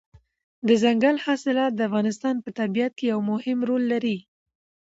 دځنګل حاصلات د افغانستان په طبیعت کې یو مهم رول لري.